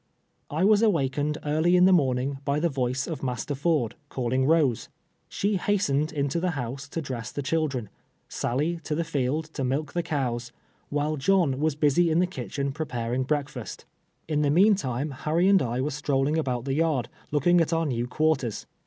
I was awakened early in the' morning by tiie voice of Master Ford^ calling Rose. She hastened into the house to dress the children, Sally to the held to milk the cows, while John was busy in the kitchen prepar ing br^'akfast. In the meantime Harry and I were strolling al)Out the yard, looking at our new quarters.